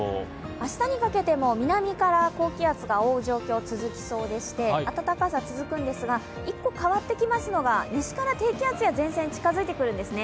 明日にかけても南から高気圧が覆う状況が続きそうでして暖かさ続くんですが、一個変わってきますのが西から低気圧や前線が近づいてくるんですね。